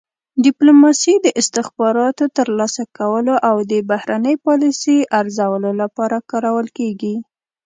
ډیپلوماسي د استخباراتو ترلاسه کولو او د بهرنۍ پالیسۍ ارزولو لپاره کارول کیږي